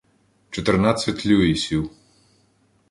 Чотирнадцять "Люїсів”.